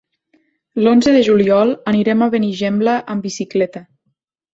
L'onze de juliol anirem a Benigembla amb bicicleta.